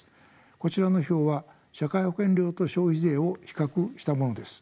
こちらの表は社会保険料と消費税を比較したものです。